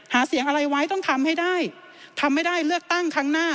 หาเสียงอะไรไว้ต้องทำให้ได้ทำให้ได้เลือกตั้งครั้งหน้า